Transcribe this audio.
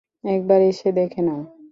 একবার এসে দেখে নাও।